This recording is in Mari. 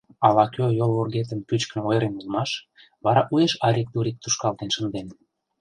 Ала-кӧ йол вургетым пӱчкын ойырен улмаш, вара уэш арик-турик тушкалтен шынден.